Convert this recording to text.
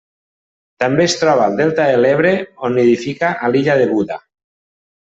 També es troba al Delta de l'Ebre, on nidifica a l'illa de Buda.